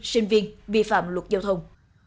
sinh viên vi phạm luật giao thông